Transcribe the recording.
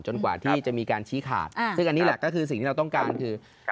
กว่าที่จะมีการชี้ขาดซึ่งอันนี้แหละก็คือสิ่งที่เราต้องการคือ